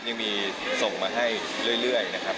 ยังมีส่งมาให้เรื่อยนะครับ